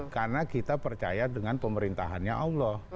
karena kita percaya dengan pemerintahannya allah